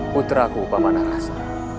putraku paman arasa